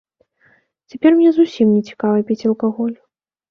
Цяпер мне зусім не цікава піць алкаголь.